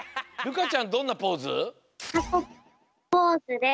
かちゃんどんなポーズ？